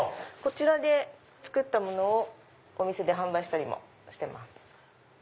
こちらで作ったものをお店で販売したりもしてます。